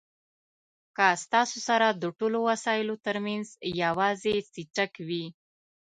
که ستاسو سره د ټولو وسایلو ترمنځ یوازې څټک وي.